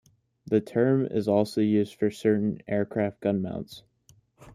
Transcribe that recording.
The term is also used for certain aircraft gun mounts.